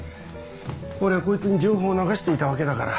俺はこいつに情報を流していたわけだから。